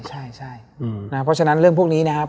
ใช่เพราะฉะนั้นเรื่องพวกนี้นะครับ